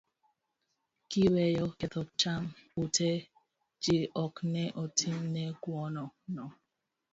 kiweyo ketho cham, ute ji ok ne otim ne ng'uono